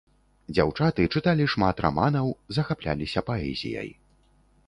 Дзяўчаты чыталі шмат раманаў, захапляліся паэзіяй.